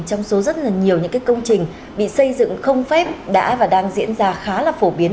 trong số rất nhiều công trình bị xây dựng không phép đã và đang diễn ra khá phổ biến